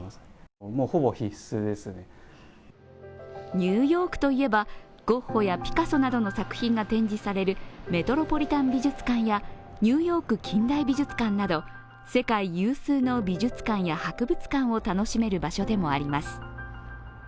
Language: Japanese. ニューヨークといえば、ゴッホやピカソなどの作品が展示されるメトロポリタン美術館やニューヨーク近代美術館など世界有数の美術館や博物館を楽しめる場所でもあります。